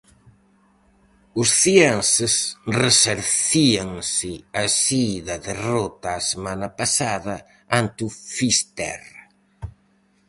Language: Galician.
Os ceenses resarcíanse así da derrota a semana pasada ante o Fisterra.